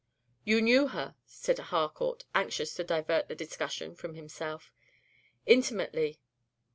"You knew her," said Harcourt, anxious to divert the discussion from himself. "Intimately.